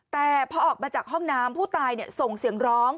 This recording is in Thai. แต่พอออกมาจากห้องน้ำผู้ตายส่งเสียงร้อง